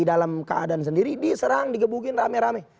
dalam keadaan sendiri diserang digebukin rame rame